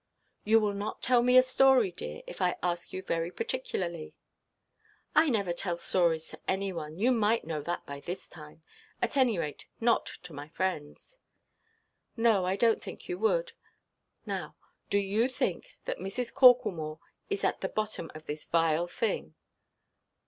"You will not tell me a story, dear, if I ask you very particularly?" "I never tell stories to any one; you might know that by this time. At any rate, not to my friends." "No, I donʼt think you would. Now, do you think that Mrs. Corklemore is at the bottom of this vile thing?"